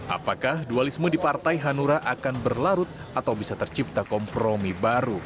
apakah dualisme di partai hanura akan berlarut atau bisa tercipta kompromi baru